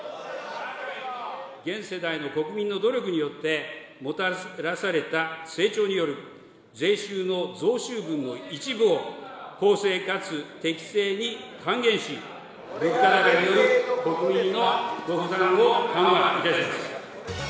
現世代の国民の努力によって、もたらされた成長による税収の増収分の一部を公正かつ適正に還元し、物価高による国民のご負担を緩和いたします。